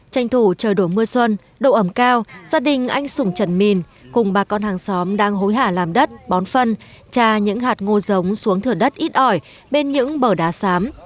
tranh thủ trời đổ mưa xuân độ ẩm cao gia đình anh sùng trần mìn cùng bà con hàng xóm đang hối hả làm đất bón phân cha những hạt ngô giống xuống thửa đất ít ỏi bên những bờ đá sám